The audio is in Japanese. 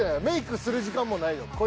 メイクする時間もないよ